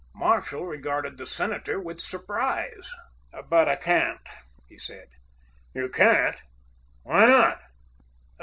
Marshall regarded the senator with surprise. "But I can't," he said. "You can't? Why not?"